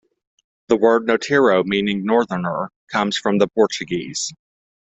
The word "Norteiro," meaning "Northerner," comes from the Portuguese.